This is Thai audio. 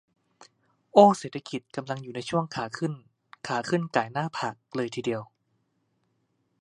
"โอ้เศรษฐกิจกำลังอยู่ในช่วงขาขึ้น" "ขาขึ้นก่ายหน้าฝากเลยทีเดียว"